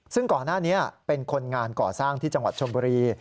ซึ่งก่อนหน้านี้เป็นคนงานก่อสร้างที่จังหวัดชนบุรี